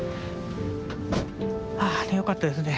ああよかったですね